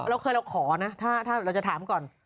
เราเคยเราขอนะถ้าเราจะถามก่อน